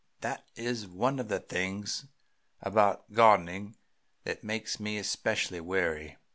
That is one of the things about gardening that make me especially weary.